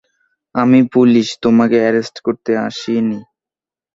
আমি পুলিশ তোমাকে এরেস্ট করতে আসি নি।